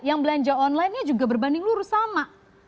yang belanja online nya juga berbanding lurus sama